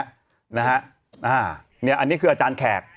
อันนี้คืออาจารย์แขก